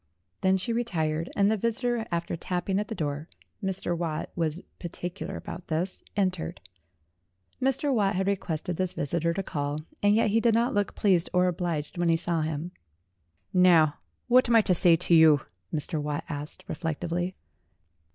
Then she retired, and the vis itor, after tapping at the door Mr. Watt was partic ular about this entered. Mr. Watt had requested this visitor to call, and yet he did not look pleased or obliged when he saw him. "Now, what am I to say to you?" Mr. Watt asked reflectively.